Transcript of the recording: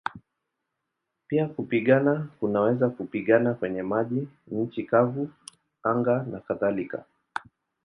Pia kupigana kunaweza kupigana kwenye maji, nchi kavu, anga nakadhalika.